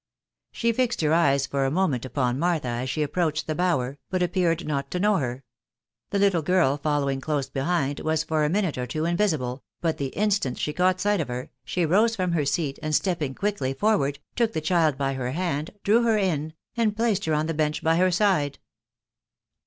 She fixed her eyea for a moment upon Martha aa she ap proached the bower, hot appeared not to know her ; the little girl following dose behind, was for a minute or two invisible ; but the instant she caught sight of her, she rose from her seat, and stepping quickly forward, took the child by her hand, drew her in, and placed her on the bench by her aide.